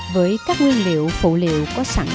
với các nguyên liệu phụ liệu có sẵn